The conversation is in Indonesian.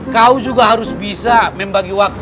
kau juga harus bisa membagi waktu